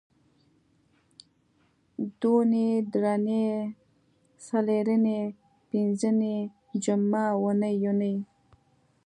دونۍ درېنۍ څلرنۍ پینځنۍ جمعه اونۍ یونۍ